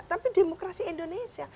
tapi demokrasi indonesia